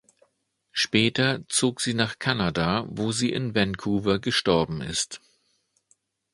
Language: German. Später zog sie nach Kanada, wo sie in Vancouver gestorben ist.